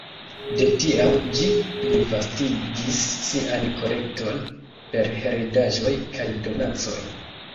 De tiam ĝi plivastigis sian kolekton per heredaĵoj kaj donacoj.